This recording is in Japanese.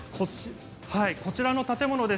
こちらの建物